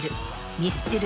ミスチル